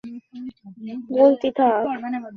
তিনি তার ইউনানি শিক্ষা সমাপ্ত করেন।